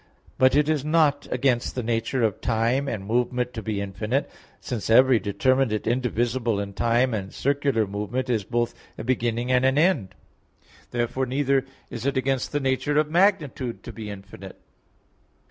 But it is not against the nature of time and movement to be infinite, since every determinate indivisible in time and circular movement is both a beginning and an end. Therefore neither is it against the nature of magnitude to be infinite.